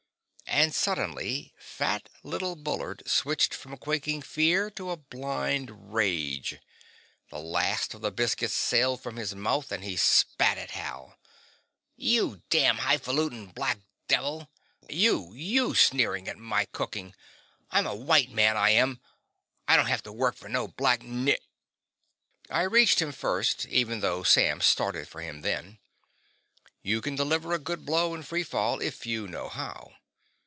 And suddenly fat little Bullard switched from quaking fear to a blind rage. The last of the biscuit sailed from his mouth and he spat at Hal. "You damned hi faluting black devil. You you sneering at my cooking. I'm a white man, I am I don't have to work for no black ni...." I reached him first, though even Sam started for him then. You can deliver a good blow in free fall, if you know how.